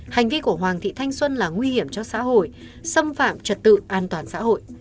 hành vi của hoàng thị thanh xuân là nguy hiểm cho xã hội xâm phạm trật tự an toàn xã hội